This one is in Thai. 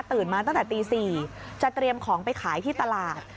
มาตั้งแต่ตี๔จะเตรียมของไปขายที่ตลาด